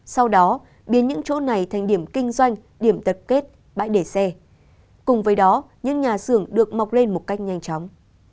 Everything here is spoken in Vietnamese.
sau đó biến những chỗ này thành điểm kinh doanh điểm tập kết bãi để xe cùng với đó những nhà xưởng được mọc lên một cách nhanh chóng